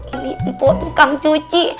ini ibu tukang cuci